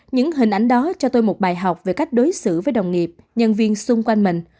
những hình ảnh đó cho tôi một bài học về cách đối xử với đồng nghiệp nhân viên xung quanh mình